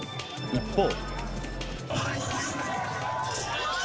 一方。